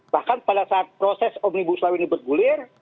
bahkan pada saat proses omnibus law ini bergulir